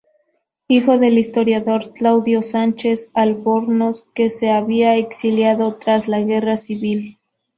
Hijo del historiador Claudio Sánchez-Albornoz, que se había exiliado tras la Guerra Civil.